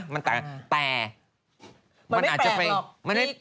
มันไม่แปลกหรอก